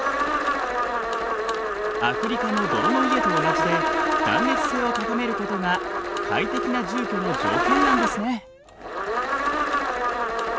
アフリカの泥の家と同じで断熱性を高めることが快適な住居の条件なんですね。